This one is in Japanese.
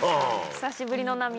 久しぶりの涙。